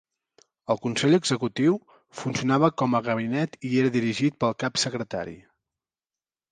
El Consell Executiu funcionava com a Gabinet i era dirigit pel Cap Secretari.